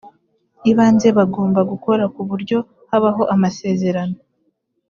ibanze bagomba gukora ku buryo habaho amasezerano